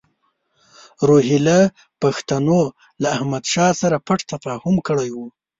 روهیله پښتنو له احمدشاه سره پټ تفاهم کړی وو.